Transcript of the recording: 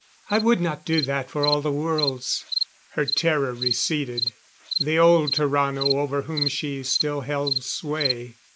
I would not do that for all the worlds." Her terror receded. The old Tarrano over whom she still held sway.